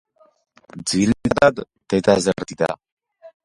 ძირითადად დედა ზრდიდა.